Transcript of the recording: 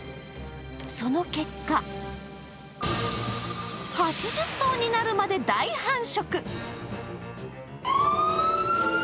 その結果、８０頭になるまで大繁殖。